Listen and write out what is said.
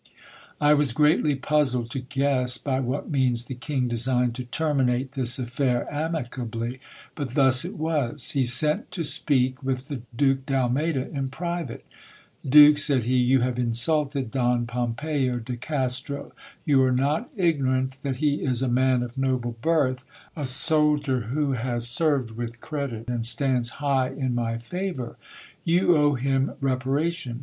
I was greatly puzzled to guess by what means the King designed to terminate this affair amicably : but thus it was. He sent to speak with the Duke d'Almeyda in private. Duke, said he, you have insulted Don Pompeyo de Castro. You are not ignorant that he is a man of noble birth, a soldier who has served with credit, and stands high in my favour. You owe him repara tion.